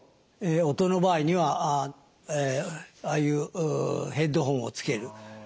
音の場合にはああいうヘッドフォンを付ける。